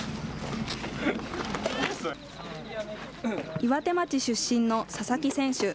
岩手町出身の佐々木選手。